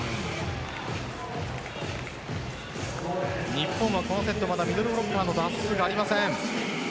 日本はこのセットまだミドルブロッカーの打数がありません。